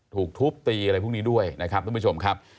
ถูกทุบตีอะไรพวกนี้ด้วยนะครับทุกผู้ชมครับ